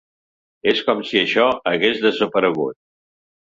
És com si això hagués desaparegut.